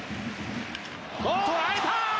捉えた！